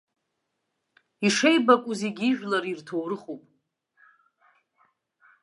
Ишеибакәу зегь ижәлар ирҭоурыхуп.